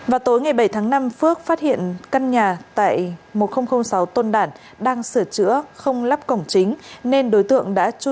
vào tối ngày bảy tháng năm phước phát hiện căn nhà tại một nghìn sáu tôn đản đang sửa chữa không lắp cổng chính